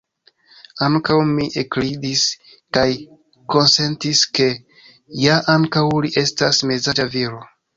Ankaŭ mi ekridis, kaj konsentis ke, ja ankaŭ li estas mezaĝa viro.